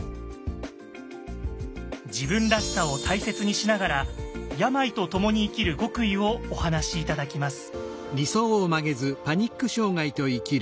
自分らしさを大切にしながら病と共に生きる極意をお話し頂きます。